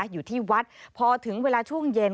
อยู่ที่วัดพอถึงเวลาช่วงเย็น